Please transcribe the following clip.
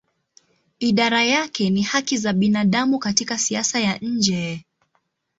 Idara yake ni haki za binadamu katika siasa ya nje.